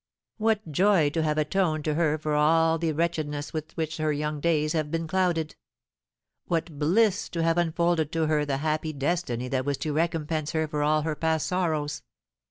"What joy to have atoned to her for all the wretchedness with which her young days have been clouded! What bliss to have unfolded to her the happy destiny that was to recompense her for all her past sorrows!